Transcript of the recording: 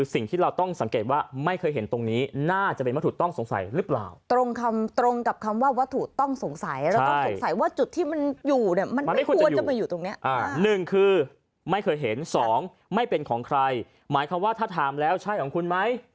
สองไม่เป็นของใครหมายความว่าถ้าถามแล้วใช่ของคุณไหม